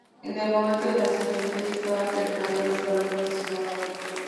En el momento del nacimiento ella estaba terminando los arreglos de su nuevo álbum.